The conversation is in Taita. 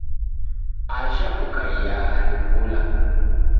Ajha Ukaiyagha ni kula.